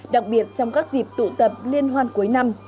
đặc biệt trong các dịp tụ tập liên hoan cuối năm